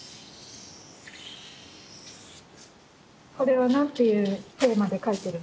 これは何ていうテーマで描いてるの？